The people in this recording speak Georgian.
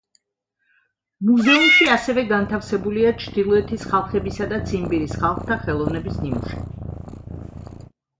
მუზეუმში ასევე განთავსებულია ჩრდილოეთის ხალხებისა და ციმბირის ხალხთა ხელოვნების ნიმუშები.